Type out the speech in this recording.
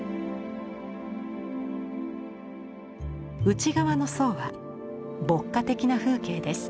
内側の層は牧歌的な風景です。